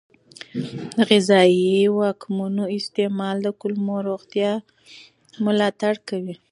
د غذایي ماکملونو استعمال د کولمو روغتیا ملاتړ کوي.